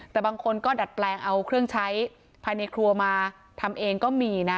แต่บางคนก็ดัดแปลงเอาเครื่องใช้ภายในครัวมาทำเองก็มีนะ